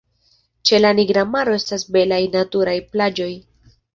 Ĉe la Nigra Maro estas belaj naturaj plaĝoj.